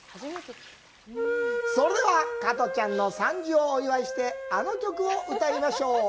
それでは加トちゃんの傘寿をお祝いしてあの曲を歌いましょう。